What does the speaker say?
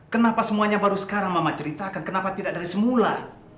kenapa semuanya baru sekarang mama ceritakan kenapa tidak dari semula